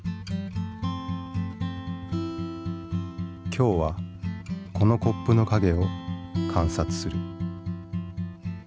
今日はこのコップの影を観察する。